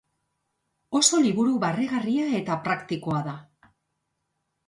Oso liburu barregarria eta praktikoa da.